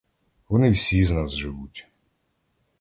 Вони всі з нас живуть.